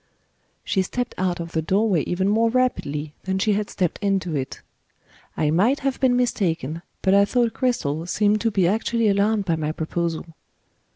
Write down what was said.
She stepped out of the doorway even more rapidly than she had stepped into it. I might have been mistaken, but I thought Cristel seemed to be actually alarmed by my proposal.